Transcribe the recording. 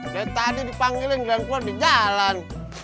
dari tadi dipanggilin grand claw di jalan